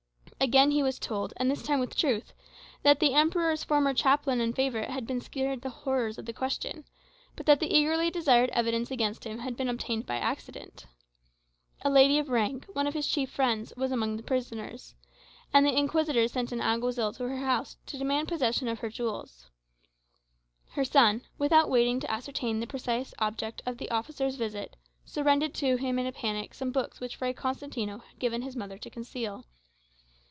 Again he was told, and this time with truth, that the Emperor's former chaplain and favourite had been spared the horrors of the Question, but that the eagerly desired evidence against him had been obtained by accident. A lady of rank, one of his chief friends, was amongst the prisoners; and the Inquisitors sent an Alguazil to her house to demand possession of her jewels. Her son, without waiting to ascertain the precise object of the officer's visit, surrendered to him in a panic some books which Fray Constantino had given his mother to conceal.